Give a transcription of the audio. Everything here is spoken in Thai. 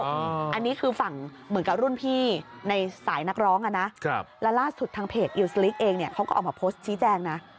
อันนี้คือฝั่งเหมือนกับรุ่นพี่ในสายนักร้องอ่ะนะแล้วล่าสุดทางเพจอิวสลิกเองเนี่ยเขาก็ออกมาโพสต์ชี้แจงนะ